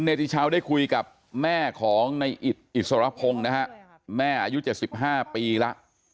ติชาวได้คุยกับแม่ของในอิดอิสรพงศ์นะฮะแม่อายุ๗๕ปีแล้ว